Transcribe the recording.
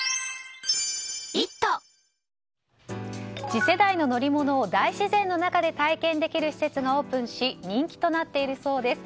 次世代の乗り物を大自然の中で体験できる施設がオープンし人気となっているそうです。